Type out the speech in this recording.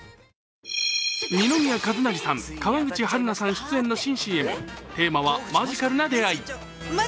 二宮和也さん、川口春奈さん出演の新ＣＭ、テーマは「マジカルな出会い」。